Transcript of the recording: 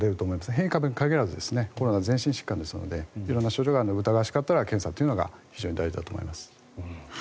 変異株に限らずコロナは全身疾患ですので色んな症状があるので疑わしかったら検査をするのが非常に大事だと思います。